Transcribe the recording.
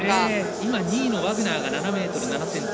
今、２位のワグナーが７ｍ７ｃｍ。